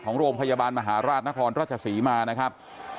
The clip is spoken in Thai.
โรงพยาบาลมหาราชนครราชศรีมานะครับ